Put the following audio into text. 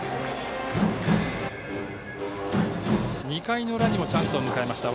２回の裏にもチャンスを迎えました。